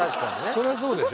そりゃそうでしょう。